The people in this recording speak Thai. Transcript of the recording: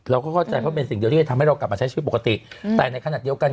เราก็เข้าใจเพราะเป็นสิ่งเดียวที่จะทำให้เรากลับมาใช้ชีวิตปกติแต่ในขณะเดียวกัน